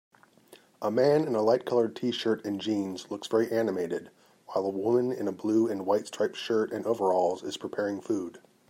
A man in a light colored tshirt and jeans looks very animated while a woman in a blue and white striped shirt and overalls is preparing food